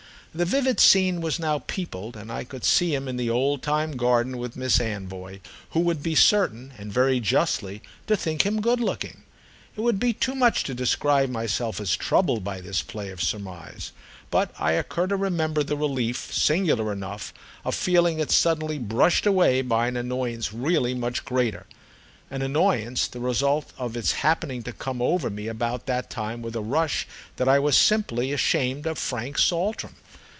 The vivid scene was now peopled, and I could see him in the old time garden with Miss Anvoy, who would be certain, and very justly, to think him good looking. It would be too much to describe myself as troubled by this play of surmise; but I occur to remember the relief, singular enough, of feeling it suddenly brushed away by an annoyance really much greater; an annoyance the result of its happening to come over me about that time with a rush that I was simply ashamed of Frank Saltram.